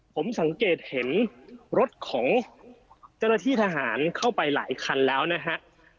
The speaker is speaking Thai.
ผมสังเกตเห็นรถของเจ้าหน้าที่ทหารเข้าไปหลายคันแล้วนะฮะ